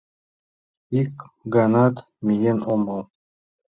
— Ик ганат миен омыл.